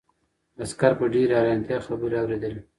عسکر په ډېرې حیرانتیا خبرې اورېدلې.